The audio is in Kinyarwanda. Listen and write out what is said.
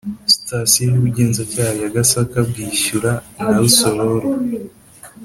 Sitasiyo y Ubugenzacyaha ya Gasaka Bwishyura na Rusororo